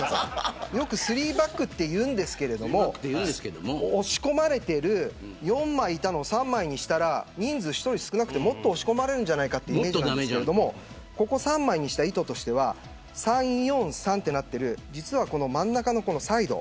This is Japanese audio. よく３バックって言うんですけど押し込まれている４枚いたのを３枚にしたら人数少なくなってもっと押し込まれるんじゃないかというイメージですがここ３枚にした意図は３−４−３となっている真ん中のサイド。